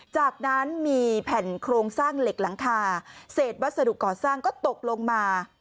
จากนั้นมีแผ่นโครงสร้างเหล็กหลังคาเศษวัสดุก่อสร้างก็ตกลงมา